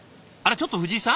ちょっと藤井さん？